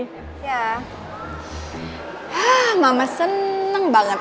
hah mama seneng banget